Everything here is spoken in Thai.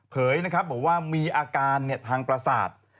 เผยนะครับบอกว่ามีอาการทางประสาท